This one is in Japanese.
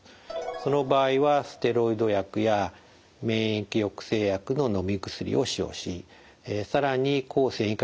その場合はステロイド薬や免疫抑制薬ののみ薬を使用し更に抗線維化